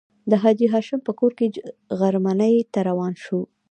د حاجي هاشم په کور کې غرمنۍ ته روان شوو.